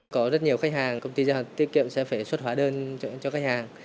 có rất nhiều khách hàng công ty giả hóa tiết kiệm sẽ phải xuất hóa đơn cho khách hàng